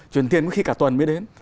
chuyển tiền có khi cả tuần mới đến